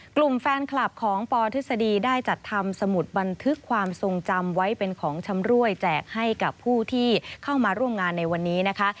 กลุ่มแฟนคลับของปทฤษฎีได้จัดทำสมุดบันทึกความทรงจำไว้เป็นของชำรวยแจกให้กับผู้ที่เข้ามาร่วมงานในวันนี้นะคะ